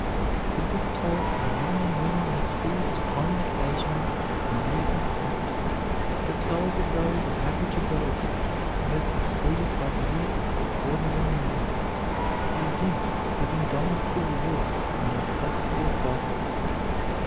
The book tells how men and women have seized common occasions and made them great; it tells of those of average ability who have succeeded by the use of ordinary means, by dint of indomitable will and inflexible purpose.